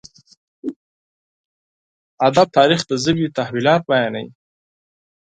ادب تاريخ د ژبې تحولات بيانوي.